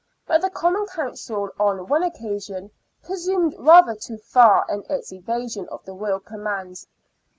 But the Common Council on one occasion presumed rather too far in its evasion of the Royal commands.